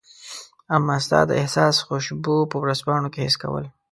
امه ستا د احساس خوشبو په ورځپاڼو کي حس کول